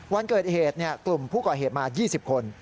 วันเกิดเหตุกลุ่มผู้ก่อเหตุมา๒๐คน